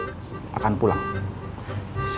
hampir semua tkw akan pulang ke indonesia